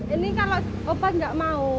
ini kalau obat tidak mau